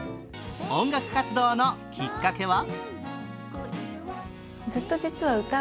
音楽活動のきっかけは？